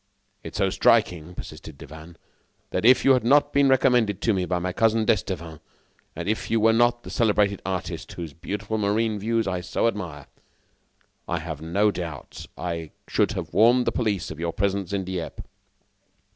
"It is so striking," persisted Devanne, "that if you had not been recommended to me by my cousin d'Estevan, and if you were not the celebrated artist whose beautiful marine views I so admire, I have no doubt I should have warned the police of your presence in Dieppe."